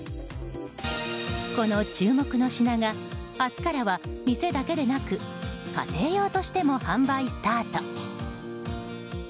この注目の品が明日からは店だけでなく家庭用としても販売スタート。